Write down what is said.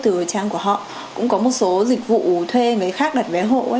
từ trang của họ cũng có một số dịch vụ thuê người khác đặt vé hộ